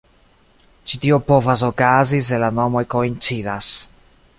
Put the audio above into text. Ĉi tio povas okazi se la nomoj koincidas.